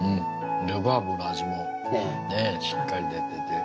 ルバーブの味もねしっかり出てて。